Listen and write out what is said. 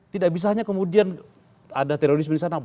tidak bisa hanya kemudian ada terorisme di sana